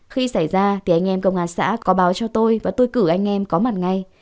khi xảy ra thì anh em công an xã có báo cho tôi và tôi cử anh em có mặt ngay